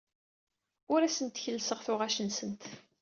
Ur asent-kellseɣ tuɣac-nsent.